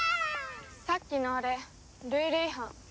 さっきのあれルール違反。